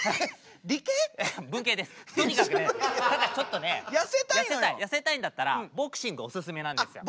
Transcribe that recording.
とにかくねたかしちょっとね痩せたいんだったらボクシングお勧めなんですよ。